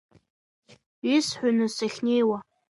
Исҳәои, нас сахьнеиуа?